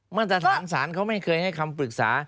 มาตรฐานศาลเขาไม่เคยให้คำปรึกษา